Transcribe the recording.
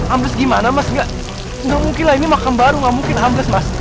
ambles gimana mas nggak mungkin lah ini makam baru nggak mungkin ambles mas